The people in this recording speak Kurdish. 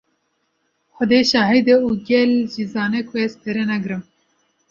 Xwedê şahîd e û gel jî zane ku ez pere nagrim.